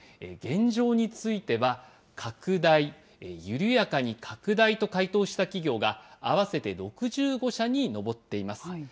現状については、拡大、緩やかに拡大と回答した企業が合わせて６５社に上っています。